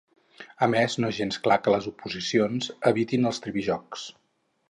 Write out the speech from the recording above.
A més, no és gens clar que les oposicions evitin els tripijocs.